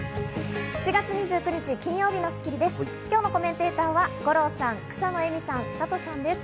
７月２９日、金曜日の『スッキリ』です。